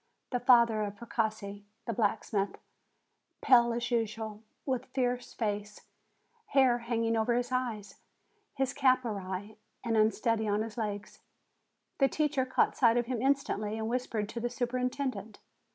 The father of Precossi, the blacksmith, pale as usual, with fierce face, hair hanging over his eyes, his cap awry, and unsteady on his legs. The teacher caught sight of him instantly, and whispered to the superintendent.